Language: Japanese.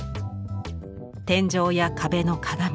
天井や壁の鏡